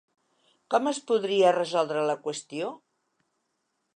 Com es podria resoldre la qüestió?